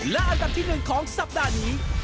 และอันดับที่๑ของสัปดาห์นี้